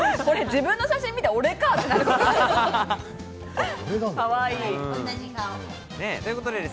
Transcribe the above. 自分の写真見て、俺かっていう。